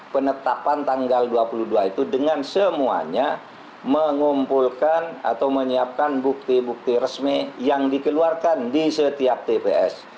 penetapan tanggal dua puluh dua itu dengan semuanya mengumpulkan atau menyiapkan bukti bukti resmi yang dikeluarkan di setiap tps